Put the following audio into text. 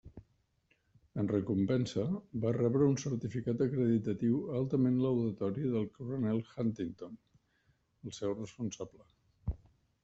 En recompensa, va rebre un certificat acreditatiu altament laudatori del coronel Huntington, el seu responsable.